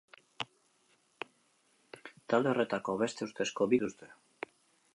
Talde horretako beste ustezko bi kideak dagoeneko atxilotu dituzte.